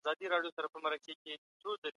تخصص د کار کیفیت لوړوي.